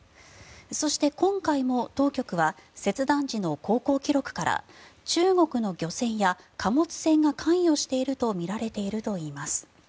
そして、今回も当局は切断時の航行記録から中国の漁船や貨物船が関与しているとみられているといいます。